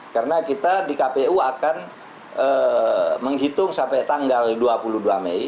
karena kita di kpu akan menghitung sampai tanggal dua puluh dua mei